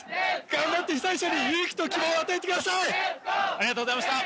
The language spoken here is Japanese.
頑張って被災者に勇気と希望を与えてください！